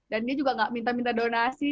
dan dia juga gak minta minta donasi